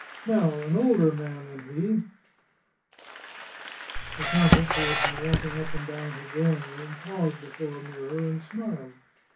Now, an older man than he " The countess, who had been walking up and down her drawing room, paused before a mirror, and smiled.